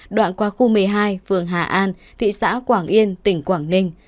đoạn qua khu một mươi hai phường hà an thị xã quảng yên tỉnh quảng ninh